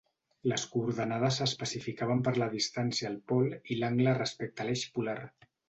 Les coordenades s'especificaven per la distància al pol i l'angle respecte a l'eix polar.